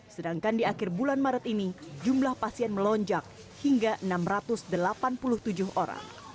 sedangkan di akhir bulan maret ini jumlah pasien melonjak hingga enam ratus delapan puluh tujuh orang